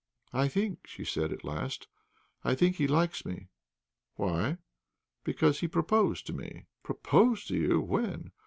"I think," she said, at last, "I think he likes me." "Why?" "Because he proposed to me." "Proposed to you! When?"